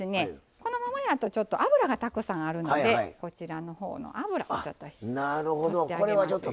このままやとちょっと油がたくさんあるのでこちらのほうの油ちょっと取ってあげますよ。